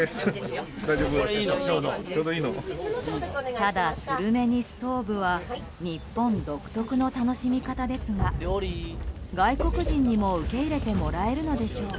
ただ、スルメにストーブは日本独特の楽しみ方ですが外国人にも受け入れてもらえるのでしょうか。